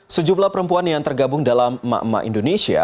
sejumlah perempuan yang tergabung dalam makma indonesia